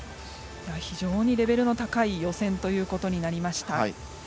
非常にレベルの高い予選となりました。